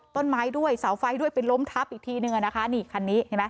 ต้นไม้ด้วยเสาไฟด้วยไปล้มทับอีกทีหนึ่งอ่ะนะคะนี่คันนี้เห็นไหม